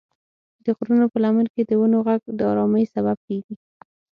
د غرونو په لمن کې د ونو غږ د ارامۍ سبب کېږي.